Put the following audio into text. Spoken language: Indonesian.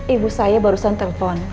ibu saya barusan telpon